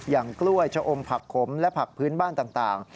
กล้วยชะอมผักขมและผักพื้นบ้านต่าง